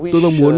tôi mong muốn